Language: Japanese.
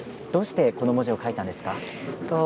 どうしてこの文字を書いたんですか？